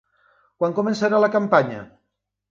Quan començarà la campanya?